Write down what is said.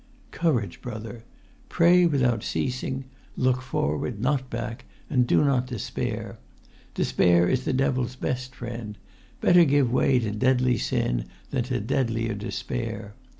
Courage, brother! Pray without ceasing. Look forward, not back; and do not despair. Despair is the devil's best friend; better give way to deadly sin than to deadlier despair!